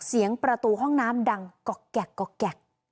เสียงประตูห้องน้ำดังกอกแกะ